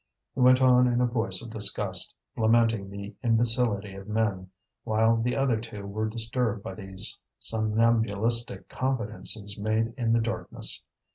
He went on in a voice of disgust, lamenting the imbecility of men, while the other two were disturbed by these somnambulistic confidences made in the darkness.